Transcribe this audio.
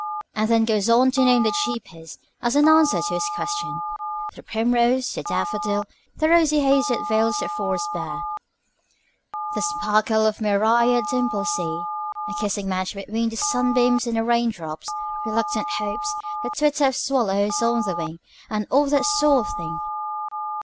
and then goes on to name the cheapest as an answer to his question. The primrose, the daffodil, the rosy haze that veils the forest bare, the sparkle of the myriad dimpled sea, a kissing match between the sunbeams and the rain drops, reluctant hopes, the twitter of swallows on the wing, and all that sort of thing.